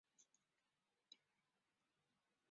没有明确史料